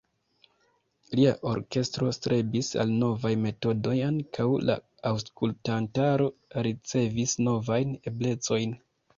Lia orkestro strebis al novaj metodoj, ankaŭ la aŭskultantaro ricevis novajn eblecojn.